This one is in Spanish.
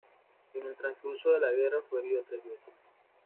En el transcurso de la guerra fue herido tres veces.